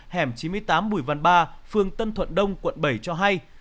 hẻm chín mươi tám bùi văn ba phường tân thuận đông quận bảy cho hay